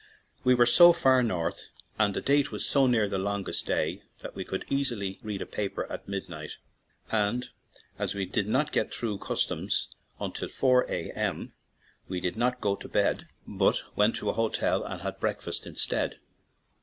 We were so far north and the date was so near the longest day that we could easily read a paper at midnight, and as we did not get through the custom house until 4 A.M., we did not go to bed, but went to a hotel and had breakfast instead.